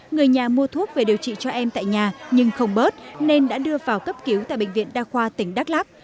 người nhà mua thuốc về điều trị cho em tại nhà nhưng không bớt nên đã đưa vào cấp cứu tại bệnh viện đa khoa tỉnh đắk lắc